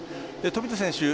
富田選手